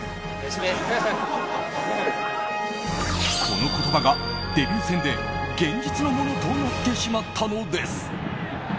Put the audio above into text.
この言葉がデビュー戦で現実のものとなってしまったのです。